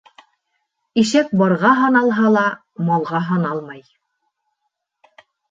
Ишәк барға һаналһа ла, малға һаналмай.